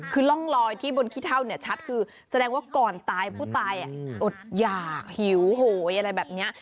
คือร่องลอยที่บนขี้เท่าเนี่ยชัดคือแสดงว่าก่อนตายผู้ตายอดหยากหิวโหยอะไรแบบนี้